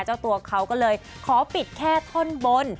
เจ้าตัวเขาก็เลยขอปิดแค่ท่อนบน